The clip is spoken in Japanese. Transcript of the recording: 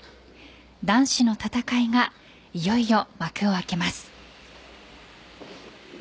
男子の戦いがいよいよ幕を開けます。